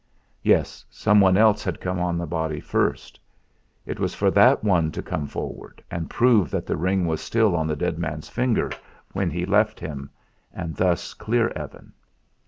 Yes, someone else had come on the body first. It was for that one to come forward, and prove that the ring was still on the dead man's finger when he left him, and thus clear Evan.